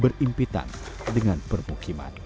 berimpitan dengan permukiman